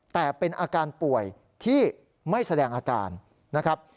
แต่เป็นอาการป่วยที่ไม่แสดงอาการนะครับ